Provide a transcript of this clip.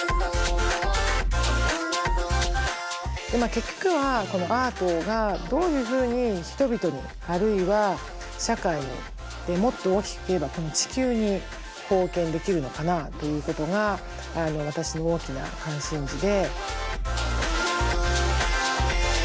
結局はアートがどういうふうに人々にあるいは社会にもっと大きく言えばこの地球に貢献できるのかなということが私の大きな関心事で。